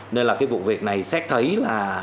nên là cái vụ việc này xét thấy là